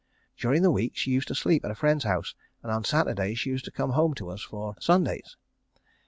During the week she used to sleep at a friend's house, and on Saturdays she used to come home to us for Sundays.